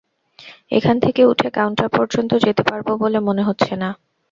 এখান থেকে উঠে কাউন্টার পর্যন্ত যেতে পারব বলে মনে হচ্ছে না।